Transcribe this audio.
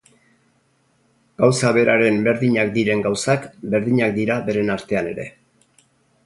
Gauza beraren berdinak diren gauzak berdinak dira beren artean ere.